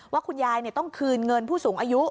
ว่าคุณยายต้องคืนเงินผู้สูงอายุ